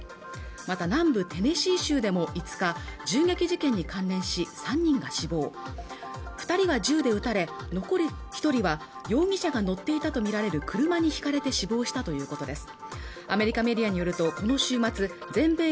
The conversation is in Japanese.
また南部テネシー州でも５日銃撃事件に関連し３人が死亡二人は銃で撃たれ残る一人は容疑者が乗っていたとみられる車にひかれて死亡したということです